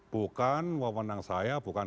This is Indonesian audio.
bukan wawonan saya bukan